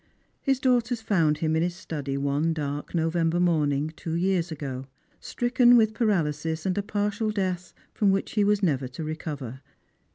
His daughters found him in his etudy one dark November morning, two years ago, stricken with paralysis and a partial death, I'rom which he was never to recover.